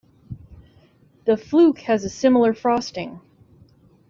The fluke has a similar frosting.